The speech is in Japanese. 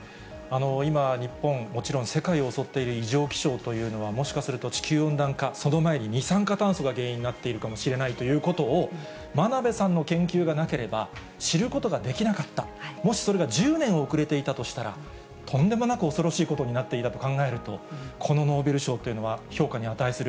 今、日本、もちろん世界を襲っている異常気象というのは、もしかすると、地球温暖化、その前に二酸化炭素が原因になっているかもしれないということを、真鍋さんの研究がなければ、知ることができなかった、もしそれが１０年遅れていたとしたら、とんでもなく恐ろしいことになっていたと考えると、このノーベル賞というのは評価に値する。